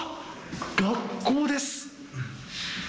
学校です。